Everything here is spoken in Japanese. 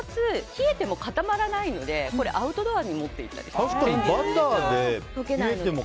冷えても固まらないのでアウトドアに持っていったりしても。